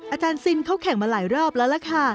อาจารย์ซินเขาแข่งมาหลายรอบแล้วล่ะค่ะ